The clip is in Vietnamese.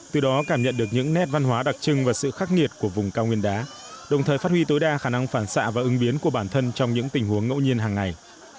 từ đó cảm nhận được những nét văn hóa đặc trưng và sự khắc nghiệt của vùng cao nguyên đá đồng thời phát huy tối đa khả năng phản xạ và ứng biến của bản thân trong những tình huống ngẫu nhiên hàng ngày